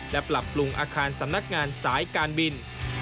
และปรับปรุงอาคารสำนักงานสายการบิน